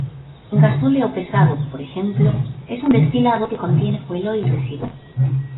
Gasóleo pesado, por ejemplo, es un destilado que contiene fueloil residual.